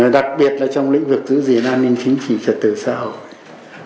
đặc biệt là trong lĩnh vực giữ gìn an ninh chính trị trật tự xã hội